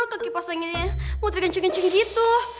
kekipas ini muter gencing gencing gitu